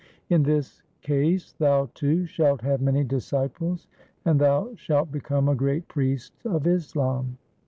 In this case thou, too, shalt have many disciples, and thou shalt become a great priest of Islam.